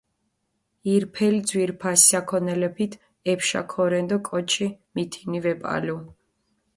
ირფელი ძვირფასი საქონელეფით ეფშა ქორენ დო კოჩი მითინი ვეპალუ.